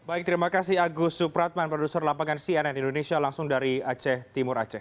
baik terima kasih agus supratman produser lapangan cnn indonesia langsung dari aceh timur aceh